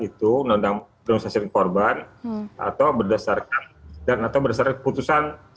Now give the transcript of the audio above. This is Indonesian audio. itu undang undang organisasi korban atau berdasarkan dan atau berdasarkan keputusan